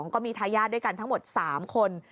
ก็มีทายาทด้วยกันทั้งหมด๓คน